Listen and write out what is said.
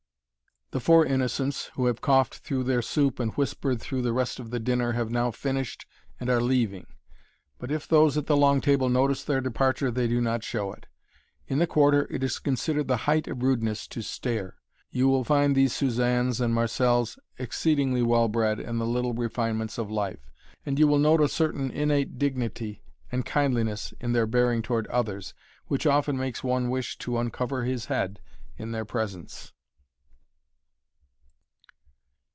The four innocents, who have coughed through their soup and whispered through the rest of the dinner, have now finished and are leaving, but if those at the long table notice their departure, they do not show it. In the Quarter it is considered the height of rudeness to stare. You will find these Suzannes and Marcelles exceedingly well bred in the little refinements of life, and you will note a certain innate dignity and kindliness in their bearing toward others, which often makes one wish to uncover his head in their presence.